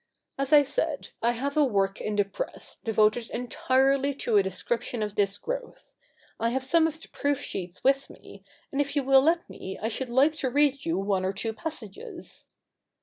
As I said, I have a work in the press, devoted entirely to a description of this growth. I have some of the proof sheets with me ; and if you will let me I should like to read you one or two passages.'